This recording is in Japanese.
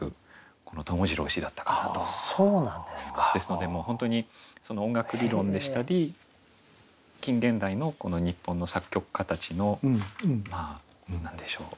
ですので本当に音楽理論でしたり近現代のこの日本の作曲家たちのまあ何でしょう